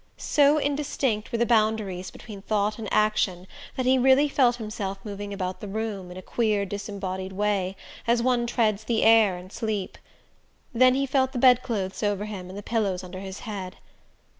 So indistinct were the boundaries between thought and action that he really felt himself moving about the room, in a queer disembodied way, as one treads the air in sleep. Then he felt the bedclothes over him and the pillows under his head.